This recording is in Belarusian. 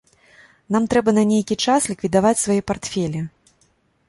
Нам трэба на нейкі час ліквідаваць свае партфелі.